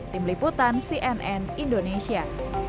tim liputan cnn indonesia